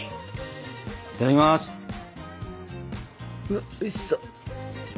うわおいしそう。